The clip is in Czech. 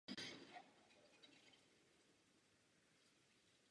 V současnosti působí v Muzeu východních Čech v Hradci Králové.